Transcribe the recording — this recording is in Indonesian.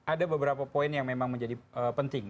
ada beberapa poin yang memang menjadi penting